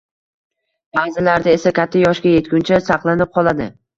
Baʼzilarda esa katta yoshga yetguncha saqlanib qoladi.